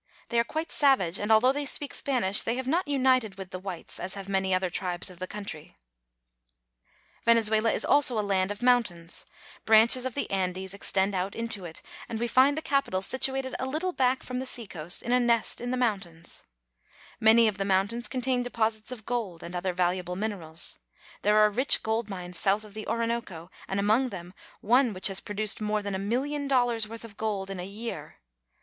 They are quite savage, and although they speak Spanish, they have not united with the whites, as have many other tribes of the country, Venezuela is also a land of mountains. Branches of the 336 VENEZUELA. Andes extend out into it, and we find the capital situated a little back from the seacoast in a nest in the mountains. Many of the mountains contain deposits of gold and other valuable minerals. There are rich gold mines south of the Orinoco, and among them one which has produced more than a million dollars' worth of gold in a year.